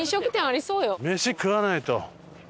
メシ食わないと。